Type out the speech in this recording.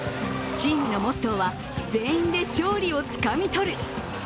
チームのモットーは、全員で勝利をつかみ取る。